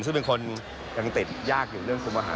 ซึ่งเป็นคนยังติดยากอยู่เรื่องคุมอาหาร